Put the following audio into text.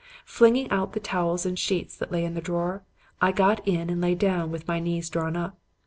Flinging out the towels and sheets that lay in the drawer, I got in and lay down with my knees drawn up.